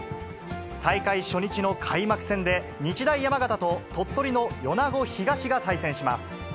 大会初日の開幕戦で、日大山形と鳥取の米子東が対戦します。